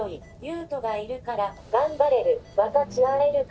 ユウトがいるから頑張れる。